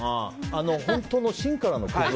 本当の芯からのクズ